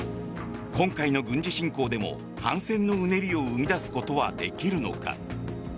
今回の軍事侵攻でも反戦のうねりを生み出すことはできるのか。